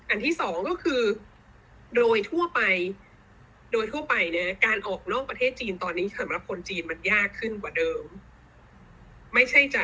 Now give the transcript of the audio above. อันที่สองก็คือโดยทั่วไปการออกนอกประเทศจีนตอนนี้สำหรับคนจีนมันยากขึ้นกว่าเดิม